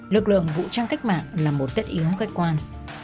lực lượng vũ trang cách mạng là một tất yếu khách quan